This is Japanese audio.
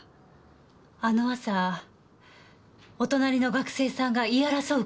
あの朝お隣の学生さんが言い争う